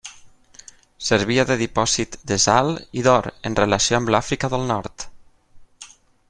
Servia de dipòsit de sal i d'or, en relació amb l'Àfrica del nord.